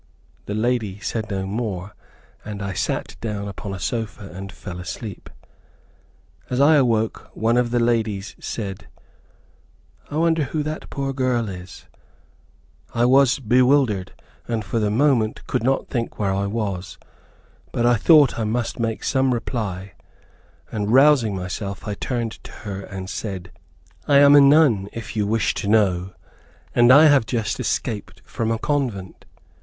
The lady said no more, and I sat down upon a sofa and fell asleep. As I awoke, one of the ladies said, "I wonder who that poor girl is!" I was bewildered, and, for the moment, could not think where I was, but I thought I must make some reply, and rousing myself I turned to her, and said, "I am a nun, if you wish to know, and I have just escaped from a convent."